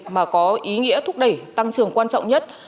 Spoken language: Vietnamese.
mà có ý nghĩa thúc đẩy tăng trưởng quan trọng nhất